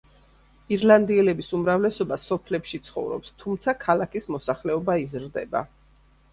ირლანდიელების უმრავლესობა სოფლებში ცხოვრობს, თუმცა ქალაქის მოსახლეობა იზრდება.